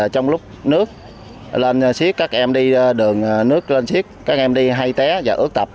trong lúc nước lên xiếc các em đi đường nước lên xiếc các em đi hay té và ước tập